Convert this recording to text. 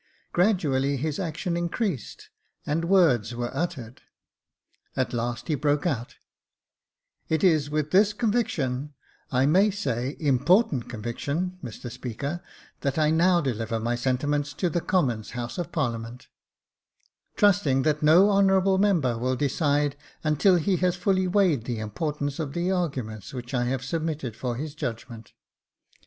Gradually his action increased, and words were uttered. At last he broke out :—" It is with this con viction, I may say important conviction, Mr Speaker, that I now deliver my sentiments to the Commons' House of Parlia ment, trusting that no honourable member will decide until he has fully weighed the importance of the arguments which I have submitted to his judgment."